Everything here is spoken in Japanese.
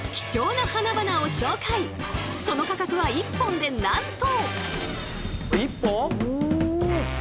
その価格は一本でなんと。